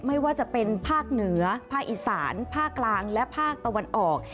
ไม่ว่าจะเป็นภาคเหนือภาคอีสานภาคกลางและภาคตะวันออก